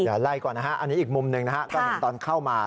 เดี๋ยวไล่ก่อนนะฮะอันนี้อีกมุมหนึ่งนะฮะก็เห็นตอนเข้ามา